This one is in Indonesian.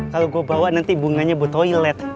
kalau gue bawa nanti bunganya buat toilet